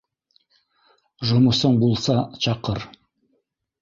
Жомосоң булса, чаҡыр.